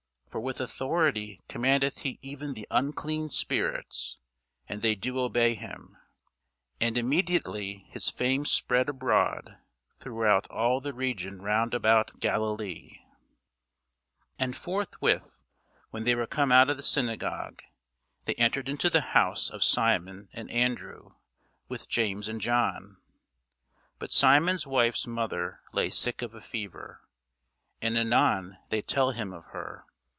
for with authority commandeth he even the unclean spirits, and they do obey him. And immediately his fame spread abroad throughout all the region round about Galilee. [Sidenote: St. Mark 1] And forthwith, when they were come out of the synagogue, they entered into the house of Simon and Andrew, with James and John. But Simon's wife's mother lay sick of a fever, and anon they tell him of her.